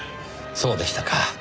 そうでしたか。